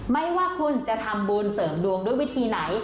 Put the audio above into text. ไม่ว่าคุณจะทำบุญเสริมดวงด้วยวิธีไหน